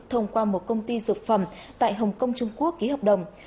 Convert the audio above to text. thông qua một công ty dược phẩm tại hồng kông trung quốc ký hợp đồng